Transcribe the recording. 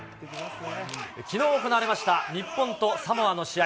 きのう行われました日本とサモアの試合。